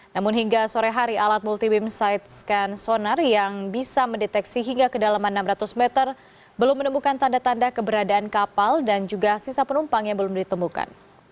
namun hingga sore hari alat multi beam side scan sonar yang bisa mendeteksi hingga kedalaman enam ratus meter belum menemukan tanda tanda keberadaan kapal dan juga sisa penumpang yang belum ditemukan